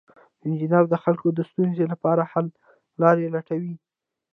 انجینر د خلکو د ستونزو لپاره حل لارې لټوي.